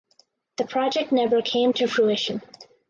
The project never came to fruition.